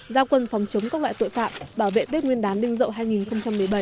giao quân phòng chống các loại tội phạm bảo vệ tết nguyên đán đinh dậu hai nghìn một mươi bảy